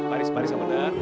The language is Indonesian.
baris baris ke benar